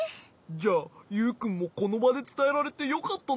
じゃあユウくんもこのばでつたえられてよかったね。